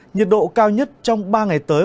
nhiệt độ cao nhất trong ba ngày tới